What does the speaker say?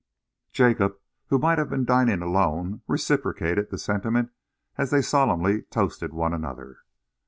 Jacob, who might have been dining alone, reciprocated the sentiment as they solemnly toasted one another.